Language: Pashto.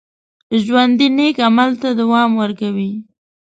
ژوندي نیک عمل ته دوام ورکوي